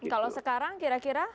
kalau sekarang kira kira